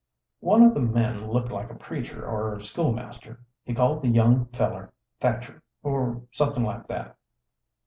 "One o' the men looked like a preacher or schoolmaster. He called the young feller Thacher, or something like that."